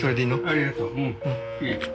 ありがとう。